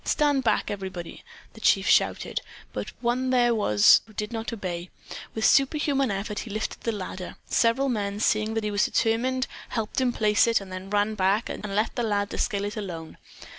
Stand back, everybody," the chief shouted; but one there was who did not obey. With superhuman effort he lifted the ladder. Several men seeing that he was determined helped him place it, then ran back, and left the lad to scale it alone.